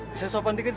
bisa sopan dikit